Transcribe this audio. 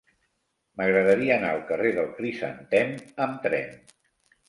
M'agradaria anar al carrer del Crisantem amb tren.